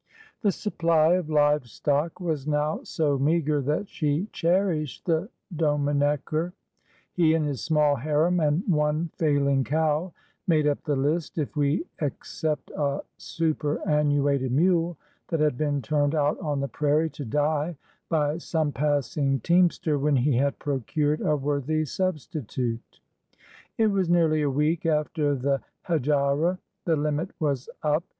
The supply of live stock was now so meager that she cherished the Dominecker." He and his small harem and one failing cow made up the list, if we except a super annuated mule that had been turned out on the prairie to die by some passing teamster when he had procured a worthy substitute. It was nearly a week after the hejira. The limit was up.